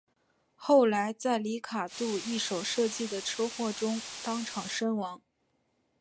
后来在里卡度一手设计的车祸中当场身亡。